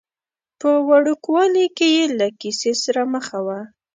په وړوکوالي کې یې له کیسې سره مخه وه.